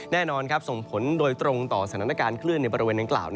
แน่นอนส่งผลโดยตรงต่อสถานการณ์คลื่นในบริเวณดังกล่าว